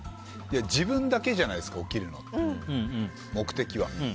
自分だけじゃないですか起きるのって、目的は。